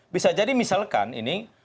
bisa jadi misalkan ini